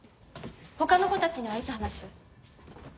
他の子たちにはいつ話す？